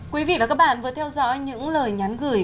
quý vị và các bạn vừa theo dõi những lời nhắn gửi